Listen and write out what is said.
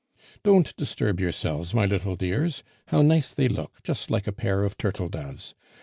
"Don't disturb yourselves, my little dears! How nice they look, just like a pair of turtle doves!